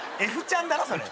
Ｆちゃんだ。